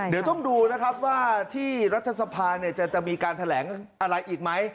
เดี๋ยวต้องดูนะครับว่าที่รัฐสภาจะมีการแถลงอะไรอีกไหม